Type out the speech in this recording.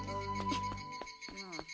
うん。